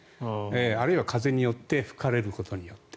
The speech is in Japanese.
あるいは風によって吹かれることによって。